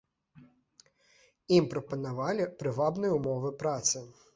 Ім прапанавалі прывабныя ўмовы працы.